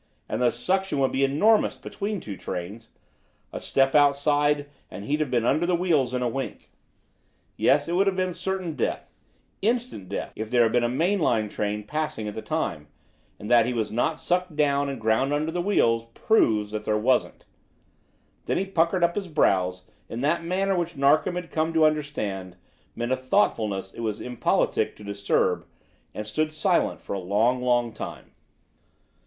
And the suction would be enormous between two speeding trains. A step outside, and he'd have been under the wheels in a wink. Yes, it would have been certain death, instant death, if there had been a main line train passing at the time; and that he was not sucked down and ground under the wheels proves that there wasn't." Then he puckered up his brows in that manner which Narkom had come to understand meant a thoughtfulness it was impolitic to disturb, and stood silent for a long, long time.